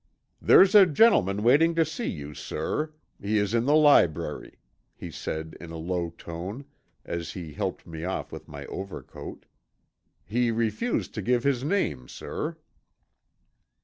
"There's a gentleman waiting to see you, sir. He is in the library," he said in a low tone, as he helped me off with my overcoat. "He refused to give his name, sir."